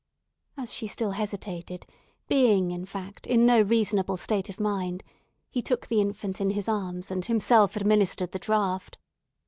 As she still hesitated, being, in fact, in no reasonable state of mind, he took the infant in his arms, and himself administered the draught.